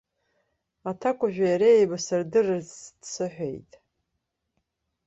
Аҭакәажәи иареи еибасырдырырц дсыҳәеит.